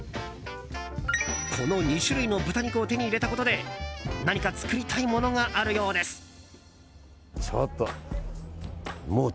この２種類の豚肉を手に入れたことで何か作りたいものがあるようです。